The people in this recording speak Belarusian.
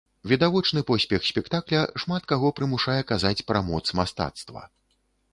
Відавочны поспех спектакля шмат каго прымушае казаць пра моц мастацтва.